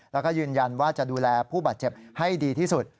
แล้วก็ยืนยันว่าจะดูแลผู้บาดเจ็บให้ดีที่สุด